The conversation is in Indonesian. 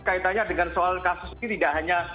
kaitannya dengan soal kasus ini tidak hanya